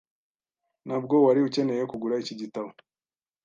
Ntabwo wari ukeneye kugura iki gitabo .